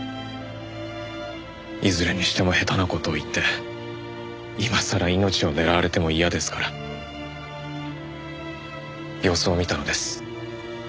いずれにしても下手な事を言って今さら命を狙われても嫌ですから様子を見たのです。